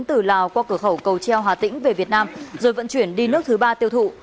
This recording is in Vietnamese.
từ lào qua cửa khẩu cầu treo hà tĩnh về việt nam rồi vận chuyển đi nước thứ ba tiêu thụ